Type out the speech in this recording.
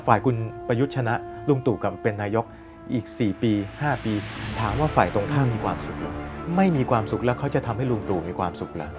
ฝ่ายคุณประยุทธ์ชนะลุงตู่กับเป็นนายกอีก๔ปี๕ปีถามว่าฝ่ายตรงข้ามมีความสุขเหรอไม่มีความสุขแล้วเขาจะทำให้ลุงตู่มีความสุขเหรอ